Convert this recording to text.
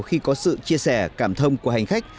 khi có sự chia sẻ cảm thông của hành khách